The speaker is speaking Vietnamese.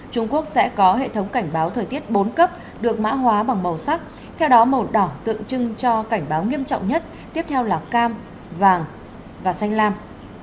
trung quốc sẽ có hệ thống cảnh báo thời tiết bốn cấp được mã hóa bằng màu sắc theo đó màu đỏ tượng trưng cho cảnh báo nghiêm trọng nhất tiếp theo là cam vàng và xanh lam